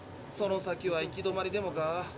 その先は行き止まりでもか？